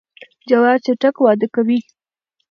جوار چټک وده کوي.